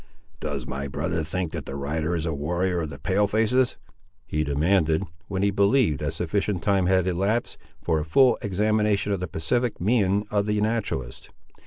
"Does my brother think that the rider is a warrior of the Pale faces?" he demanded, when he believed that sufficient time had elapsed, for a full examination of the pacific mien of the naturalist.